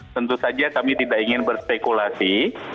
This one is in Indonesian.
tentu saja kami tidak ingin berspekulasi